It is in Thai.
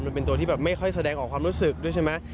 มันเป็นตัวที่แบบไม่ค่อยแสดงออกความรู้สึกด้วยใช่ไหม